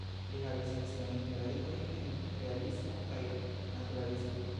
Li havis siajn radikojn en Realismo kaj Naturalismo.